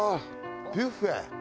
ビュッフェ！